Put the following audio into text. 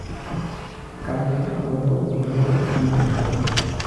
কালে আবার উহারও অবনতি হয়।